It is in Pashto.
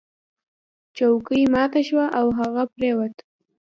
چوکۍ ماته شوه او هغه پریوت.